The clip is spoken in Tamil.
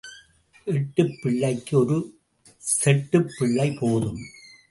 எட்டுப் பிள்ளைக்கு ஒரு செட்டுப் பிள்ளை போதும்.